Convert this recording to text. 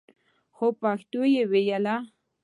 خو پښتو يې ويله.